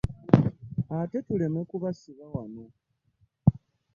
Ate tuleme kubasiba wano.